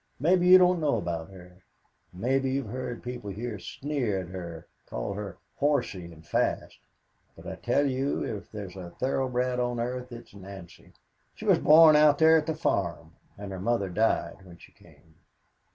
Maybe you don't know about her. Maybe you've heard people here sneer at her call her horsey and fast, but I tell you if there's a thoroughbred on earth it's Nancy. She was born out there at the farm, and her mother died when she came."